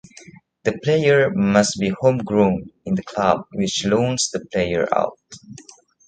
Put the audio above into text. The player must be homegrown in the club which loans the player out.